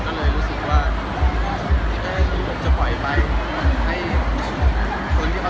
มันให้คนที่เค้าทำตัวเรานะแบบว่ามันจะคุกแหละ